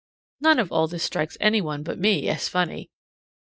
None of all this strikes any one but me as funny.